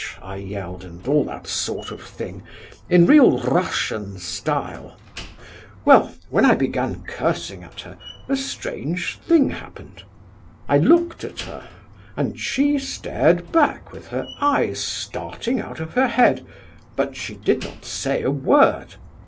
I yelled and all that sort of thing, in real Russian style. Well, when I began cursing at her, a strange thing happened. I looked at her, and she stared back with her eyes starting out of her head, but she did not say a word.